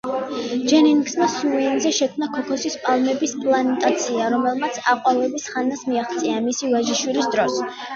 ჯენინგსმა სუეინსზე შექმნა ქოქოსის პალმების პლანტაცია, რომელმაც აყვავების ხანას მიაღწია მისი ვაჟიშვილის დროს.